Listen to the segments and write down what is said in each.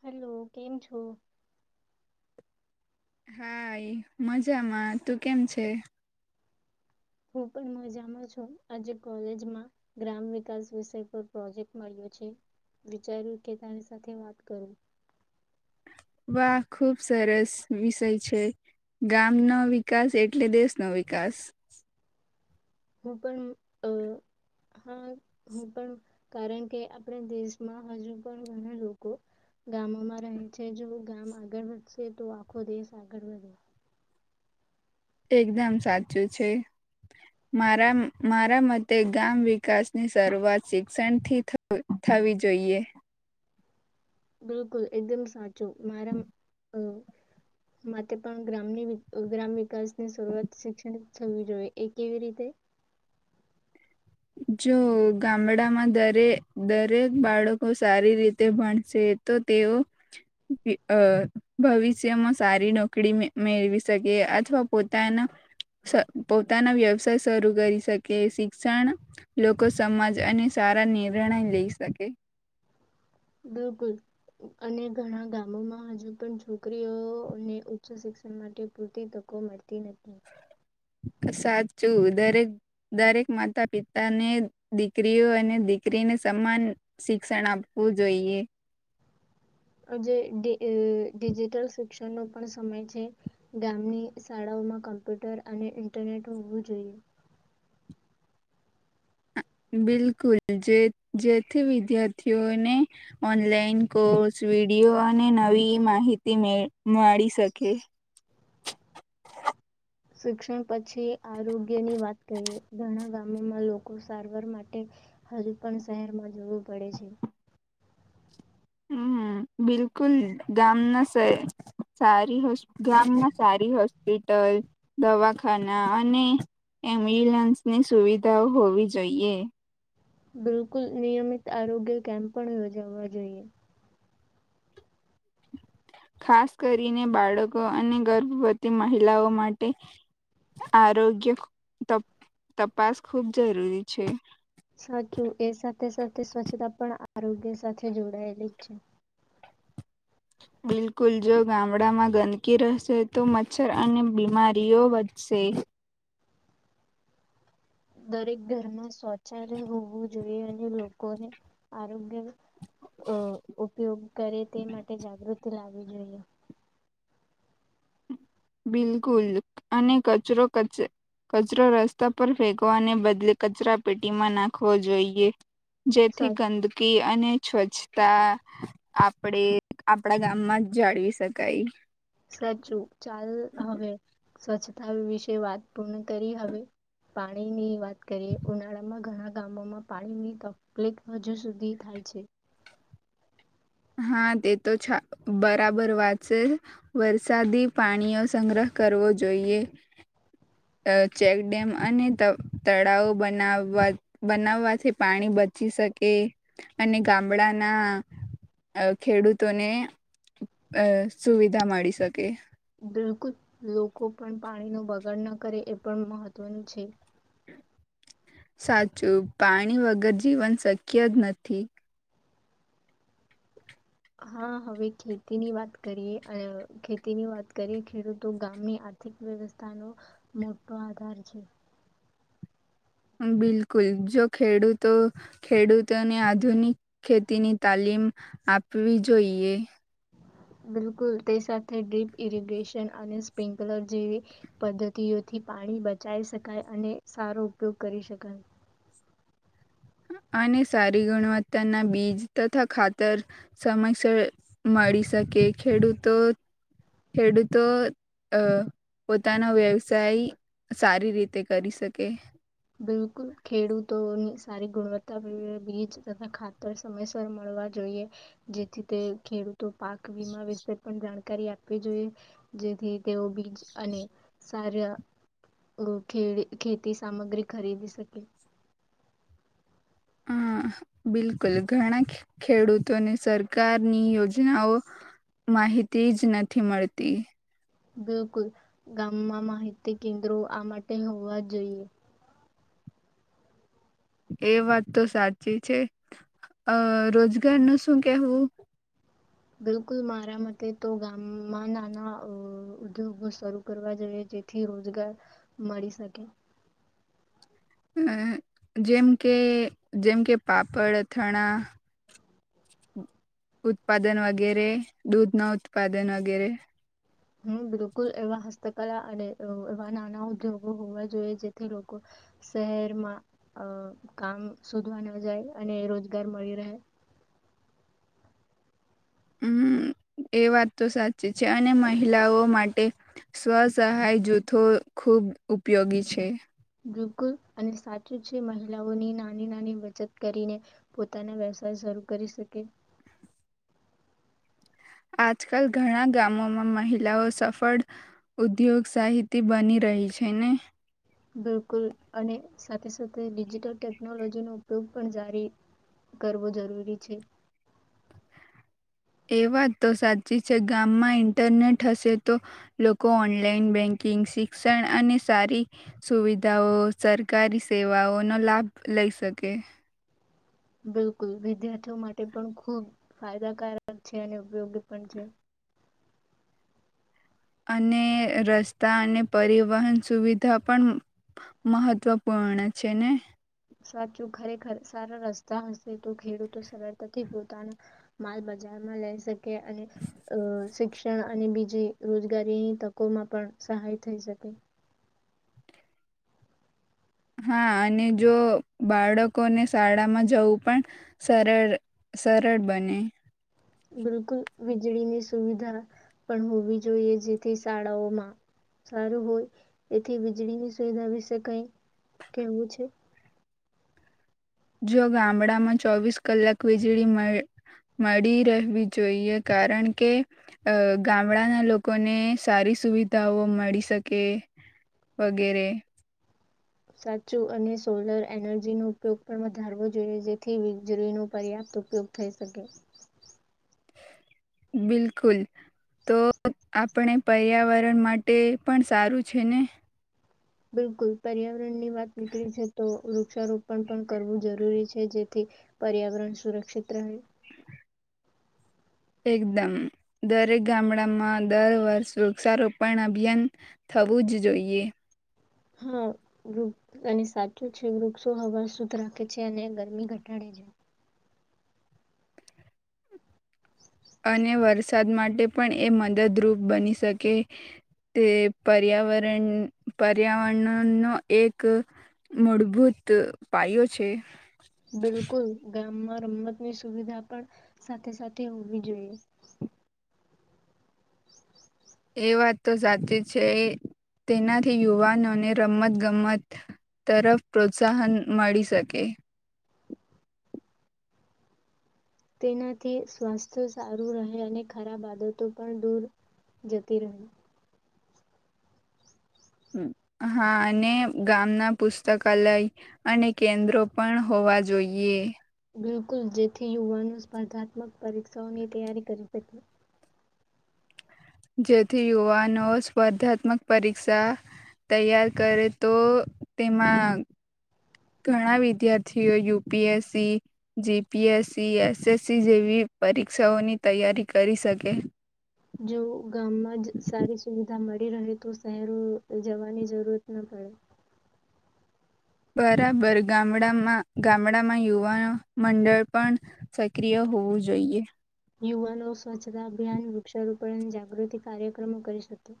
Hello કેમ છો? હા મજામાં તું કેમ છે? હું પણ મજામાં છું, આજે કોલેજમાં ગ્રામ વિકાસ વિષય પર પ્રોજેક્ટ મળ્યો છે, વિચાર્યું કે તારી સાથે વાત કરું. વાહ ખુબ સરસ વિષય છે, ગામ નો વિકાસ એટલે દેશ નો વિકાસ. હું પણ હા હું પણ કારણ કે આપણે દેશમાં હજુ પણ ઘણા લોકો, ગામોમાં રહે છે જો ગામ આગળ વધશે તો આખો દેશ આગળ વધ. એકદમ સાચું છે, મારા મતે ગામ વિકાસની શરૂઆત શિક્ષણથી થવી જોઈએ. બિલકુલ એકદમ સાચું મારા માટે પણ ગ્રામની ગ્રામ વિકાસની શરૂઆત શિક્ષણ થવી જોઈએ એ કેવી રીતે? જો ગામડામાં દરે દરેક બાળકો સારી રીતે ભણશે તો તેઓ, ભવિષ્યમાં સારી નોકરી મેળવી શકે અથવા પોતાના, પોતાના વ્યવસાય શરૂ કરી શકે શિક્ષણ લોકો સમાજ અને સારા નિર્ણય લઈ શકે. બિલકુલ, અને ઘણા ગામોમાં હજુ પણ છોકરીઓને ઉચ્ચ શિક્ષણ માટે પૂરતી તકો મળતી ત નથી. સાચું દરેક માતા પિતાને દીકરીઓ અને દીકરીને સમાન શિક્ષણ આપવું જોઈએ. જ ડિજિટલ શિક્ષણનો પણ સમય છે, ગામની શાળાઓમાં કમ્પ્યુટર અને ઇન્ટરનેટ હોવું જોઈએ. બિલકુલ જે જેથી વિદ્યાર્થીઓને ઓનલાઈન, કોર્સ, વિડીયો અને નવી માહિતી મળી શકે. શિક્ષણ પછી આરોગ્યની વાત કરીએ ઘણા ગામોમાં લોકો સારવાર માટે, હજુ પણ શહેરમાં જોવું પડે છે. હમ બિલકુલ ગામના સારી ગામમાં સારી હોસ્પિટલ, દવાખાના અને એમ્બ્યુલન્સની સુવિધાઓ હોવી જોઈએ. બિલકુલ નિયમિત આરોગ્ય કેમ્પ પણ યોજાવા જોઈએ. ખાસ કરીને બાળકો અને ગર્ભવતી મહિલાઓ માટે, આરોગ્ય તપાસ ખૂબ જરૂરી છે. તે સ્વચ્છતા પણ આરોગ્ય સાથે જોડાયેલી છે. બિલકુલ જો ગામડામાં ગંદકી રહેશે તો મચ્છર અને બીમારીઓ વધશે. દરેક ઘરમાં શૌચાલય હોવું જોઈએ અને લોકોને, આરોગ ઉપયોગ કરે તે માટે જાગૃતિ લાવ જોઈએ. બિલકુલ અને કચરો કચરો રસ્તા પર ફેગવાને બદલે કચરા પેટીમાં નાખવો જોઈએ. જેથી સા ગંદકી અને સ્વચ્છતા આપણે આપડા ગામમાં જ જાળવી શકાય. સાચું. ચાલ હવે. સ્વચ્છતા વિશે વાત પૂર્ણ કરી હવે પાણીની વાત. કરી ઉનાળા માં ઘણા. ગામોમાં પાણીની તકલીફ હજુ સુધી થાય છે. હા તે તો બરાબર વાત છે, વરસાદી પાણીઓ સંગ્રહ કરવો જોઈએ. ચેકડેમ અને તળાવો બનાવવા બનાવવાથી પાણી બચી શકે અને ગામડાના ખેડૂતોને અ સુવિધા મળી શકે. બિલકુલ લોકો પણ પાણીનો બગાડ ન કરે એ પણ મહત્વનું છે. સાચું પાણી વગર જીવન શક્ય જ નથી. હા હવે ખેતીની વાત કરીએ, ખેતીની વાત કરીએ ખેડૂતો ગામની આર્થિક વ્યવસ્થાનો મોટો આધાર છે. બિલકુલ જો ખેડૂતો ખેડૂતોને આધુનિક ખેતીની તાલીમ આપવી જોઈએ. બિલકુલ તે સાથે ડીપ ઇરીગેશન અને સ્પ્રિકલર જેવી પદ્ધતિઓથી પાણી બચાઈ શકાય અને સારો ઉપયોગ કરી શકાય. અને સારી ગુણવત્તાના બીજ તથા ખાતર સમક્ષ મળી શકે ખેડૂતો ખેડૂતો અ પોતાનો વ્યવસાય સારી રીતે કરી શકે. બિલકુલ ખેડૂતોની સારી ગુણવત્તા બીજ તથા ખાતર સમયસર મળવા જોઈએ, જેથી તે ખેડૂતો પાક વીમા વિશે પણ જાણકારી આપવી જોઈએ જેથી તેઓ બીજ અને સાર ખેતી સામગ્રી ખરીદી શકે. હ બિલકુલ ઘણા ખેડૂતોને સરકારની યોજનાઓ માહિતી જ નથી મળતી. બિલકુલ ગામમાં માહિતી કેન્દ્રો આ માટે હોવા જોઈએ. એ વાત તો સાચી છે, અ રોજગાર ન શું કેહવું? બિલકુલ મારા મતે તો ગામમાં નાના ઉદ્યોગો શરૂ કરવા જોઈએ જેથી રોજગાર મળી શકે. અમ જેમ કે જેમ કે પાપડ, અથાણા ઉત્પાદન વગેરે દૂધ નો ઉત્પાદન વગેરે. હમ્મ બિલકુલ એવા હસ્તકલા અને અવ એવા નાના ઉદ્યોગો હોવા જોઈએ જેથી લોકો શહેરમાં અ કામ શોધવા નવુ જાય અને રોજગાર મળી રહે. હમ્મ એ વાત તો સાચી છે, અને મહિલાઓ માટે સ્વસહાય જૂથો ખુબ ઉપયોગી છે. બિલકુલ અને સાચું છે મહિલાઓની નાની નાની બચત કરીને પોતાના વ્યવસાય શરૂ કરી શકે. આજકાલ ઘણા ગામોમાં મહિલાઓ સફળ ઉદ્યોગ સાહિતી બની રહી છે ને? બિલકુલ અને સાથે સાથે ડિજિટલ ટેકનોલોજીનો ઉપયોગ પણ જારી કરવો જરૂરી છે. એ વાત તો સાચી છે. ગામમાં ઈન્ટરનેટ હશે તો લોકો ઓનલાઈન બેન્કિંગ, શિક્ષણ અને સારી સુવિધાઓ સરકારી સેવાઓનો લાભ લઈ શકે. બિલકુલ વિદ્યાર્થીઓ માટે પણ ખુબ ફાયદાકારક છે અને ઉપયોગી પણ છે. અને રસ્તા અને પરિવહન સુવિધા પણ મહત્વપૂર્ણ છે ને? સાચું ખરેખર સારા રસ્તા હશે તો ખેડૂતો સરળતાથી પોતાના માલ બજારમાં લઈ શ કે અને અ શિક્ષ ક્ષણ અને બીજી રોજગારીની તકોમાં પણ સહાય થઈ શકે. હા અને જો બાળકોને શાળામાં જવું પણ સરળ સરળ બને. બિલકુલ વીજળીની સુવિધા પણ હોવી જોઈએ જેથી શાળાઓમાં સારું હોય તેથી વીજળીની સુવિધા વિશે કંઈ કેવું છે. જો ગામડામાં ચોવીસ કલાક વીજળી મળ મળી રહેવી જોઈએ કારણ કે અ ગામડાના લોકોને સારી સુવિધાઓ મળી શકે વગેરે. સાચું અને સોલર એનર્જીનો ઉપયોગ પણ વધારવો જોઈએ જેથી વીજળીનો પર્યાપ્ત ઉપયોગ થઈ શકે. બિલકુલ તો આપણે પર્યાવરણ માટે પણ સારું છે ને? બિલકુલ પર્યાવરણની વાત નીકળી છે તો વૃક્ષારોપણ પણ કરવું જરૂરી છે જેથી પર્યાવરણ સુરક્ષિત રહે. એકદમ દરેક ગામડામાં દર વર્ષ વૃક્ષારોપણ અભિયાન થવું જ જોઈએ. હા વૃ અને સાચું છે વૃક્ષો હવા શુદ્ધ રાખે છે અને ગરમી ઘટાડે છે. અને વરસાદ માટે પણ એ મદદરૂપ બની શકે તે પર્યાવરણ પર્યાવરણનો એક મૂળભૂત પાયો છે. બિલકુલ ઘણ ગામમાં રમતની સુવિધા પણ સાથે સાથે હોવી જોઈએ. [inaudible] એ વાત તો સાચી છે એ તેનાથી યુવાનોને રમતગમત તરફ પ્રોત્સાહન મળી શકે. તેનાથી સ્વાસ્થ્ય સારું રહે અને ખરાબ આદતો પણ દૂર જતી રહે. હમ્મ હા અને ગામના પુસ્તકાલય અને કેન્દ્રો પણ હોવા જોઈએ. બિલકુલ જેથી યુવાનો સ્પર્ધાત્મક પરીક્ષાઓની તૈયારી કરી શકે. જેથી યુવાનો સ્પર્ધાત્મક પરીક્ષા તૈયાર કરે તો તેમાં ઘણા વિદ્યાર્થીઓ યુપીએસસી જીપીએસસી એસએસસી જેવી પરીક્ષાઓની તૈયારી કરી શકે. જો ગામમાં જ સારી સુવિધા મળી રહે તો શહેરો જવાની જરૂર ન પડે. બરાબર ગામડામાં ગામડામાં યુવાનો મંડળ પણ સક્રિય હોવું જોઈએ. યુવાનો સ્વચ્છતા અભિયાન વૃક્ષારોપણ અને જાગૃતિ કાર્યક્રમો કરી શકે.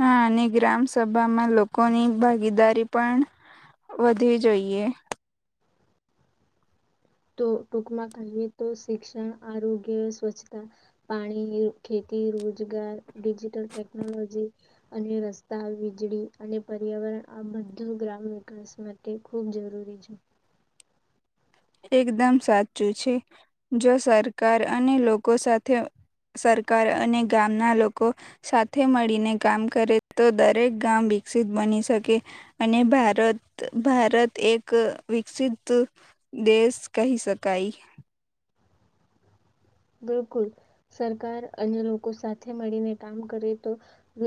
હા અને ગ્રામ સભામાં લોકોની ભાગીદારી પણ વધવી જોઈએ. તો ટૂંકમાં કહીએ તો શિક્ષણ આરોગ્ય સ્વચ્છતા પાણી ખેતી રોજગાર ડિજિટલ ટેકનોલોજી અને રસ્તા વીજળી અને પર્યાવરણ આ બધું ગ્રામ વિકાસ માટે ખૂબ જરૂરી છે. એકદમ સાચું છે જો સરકાર અને લોકો સાથે સરકાર અને ગામના લોકો સાથે મળીને કામ કરે તો દરેક ગામ વિકસિત બની શકે અને ભારત ભારત એક વિકસિત દેશ કહી શકાય. બિલકુલ સરકાર અને લોકો સાથે મળીને કામ કરે તો અ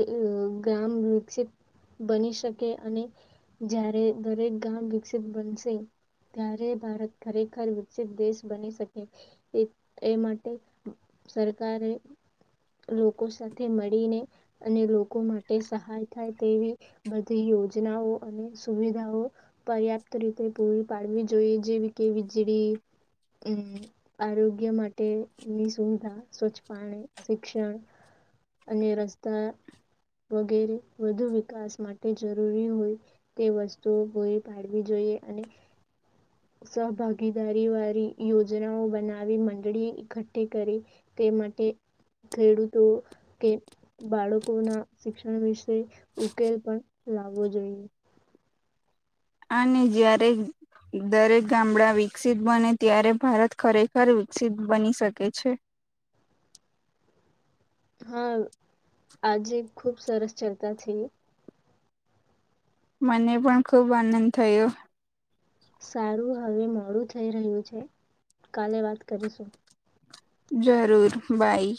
ગામ વિકસિત બની શકે અને જ્યારે દરેક ગામ વિકસિત બનશે ત્યારે ભારત ખરેખર વિકસિત દેશ બની શકે એ માટે સરકારે લોકો સાથે મળીને અને લોકો માટે સહાય થાય તેવી બધી યોજનાઓ અને સુવિધાઓ પર્યાપ્ત રીતે પૂરી પાડવી જોઈએ જેવી કે વીજળી અમ આરોગ્ય માટે ની સુવિધા સ્વચ્છ પાણી શિક્ષણ અને રસ્તા વગેરે વધુ વિકાસ માટે જરૂરી હોય તે વસ્તુઓ પુરી પાડવી જોઈએ અને સહભાગીદારી વાળી યોજનાઓ બનાવી મંડળી એકઠી કરી તે માટે ખેડૂતો કે બાળકોના શિક્ષણ વિશે ઉકેલ પણ લાવો જોઈએ. અને જ્યારે દરેક ગામડા વિકસિત બને ત્યારે ભારત ખરેખર વિકસિત બની શકે છે. હા આજે ખુબ સરસ ચર્ચા છે. મને પણ ખુબ આનંદ થયો. સારું હવે મોડું થઈ રહ્યું છે કાલે વાત કરીશું. જરૂર બાય.